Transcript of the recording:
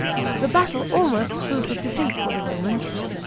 The battle almost proved a defeat for the Romans.